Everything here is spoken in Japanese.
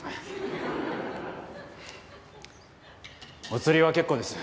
お釣りは結構です。